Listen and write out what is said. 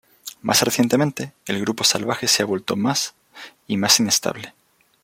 Más recientemente, el Grupo Salvaje se ha vuelto más y más inestable.